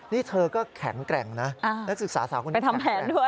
นี่เธอก็แข็งแกร่งนะนักศึกษาสาวคนนี้แข็งแกร่ง